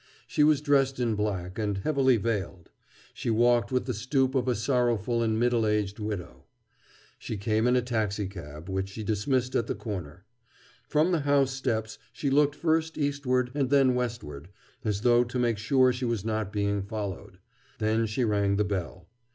She was dressed in black, and heavily veiled. She walked with the stoop of a sorrowful and middle aged widow. She came in a taxicab, which she dismissed at the corner. From the house steps she looked first eastward and then westward, as though to make sure she was not being followed. Then she rang the bell.